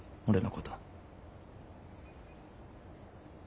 俺のこと。